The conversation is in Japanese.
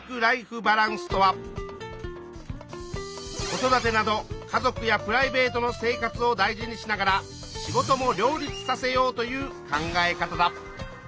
子育てなど家族やプライベートの生活をだいじにしながら仕事も両立させようという考え方だ。